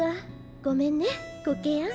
ごめんねコケヤン。